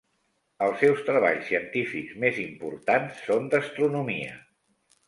Els seus treballs científics més importants són d’astronomia.